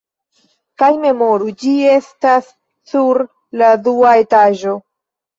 Kaj memoru, ĝi estas sur la dua etaĝo.